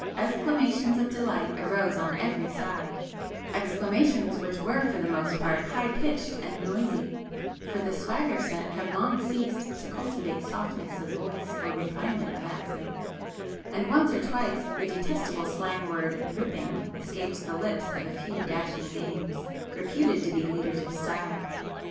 Exclamations of delight arose on every side,—exclamations which were for the most part high pitched and noisy,—for the 'swagger set' have long ceased to cultivate softness of voice or refinement of accent,—and once or twice the detestable slang word, 'ripping' escaped from the lips of a few dashing dames, reputed to be 'leaders' of style.